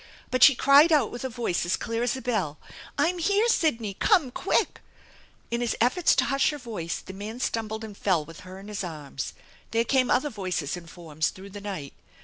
But she cried out with a voice as clear as a bell :" I'm here, Sidney, come quick !" In his efforts to hush her voice, the man stumbled and fell with her in his arms. There came other voices and forms through the night.